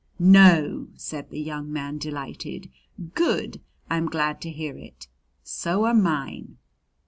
"No!" said the young man, delighted. "Good! I'm glad to hear it. So are mine!"